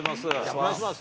お願いします。